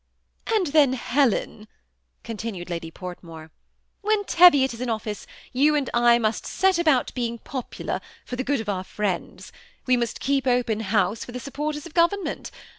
And then, Helen," continued Lady Portmore, ^ when Teviot is in office, you and I must set about being popular, for the good of our friends. We must keep open house for the supporters of government.